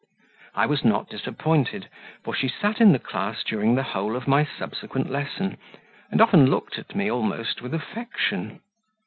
I was not disappointed, for she sat in the class during the whole of my subsequent lesson, and often looked at me almost with affection.